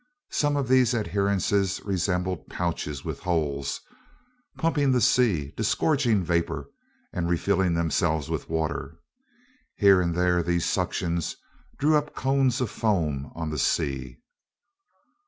Some of these adherences resembled pouches with holes, pumping the sea, disgorging vapour, and refilling themselves with water. Here and there these suctions drew up cones of foam on the sea.